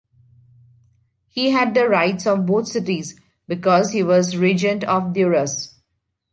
He had the rights of both cities, because he was regent of Duras.